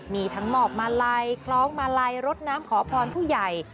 มีทั้งหมอบมาลัยคล้องมาลัยรดน้ำขอพรผู้ใหญ่